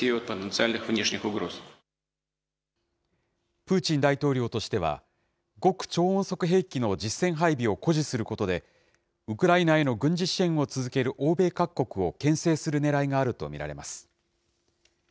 プーチン大統領としては、極超音速兵器の実戦配備を誇示することで、ウクライナへの軍事支援を続ける欧米各国をけん制するねらいがあると見られます。